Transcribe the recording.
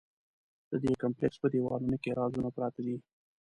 د دې کمپلېکس په دیوالونو کې رازونه پراته دي.